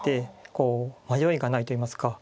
迷いがないといいますか。